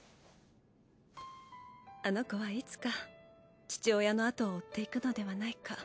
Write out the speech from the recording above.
あの子はいつか父親の後を追っていくのではないか。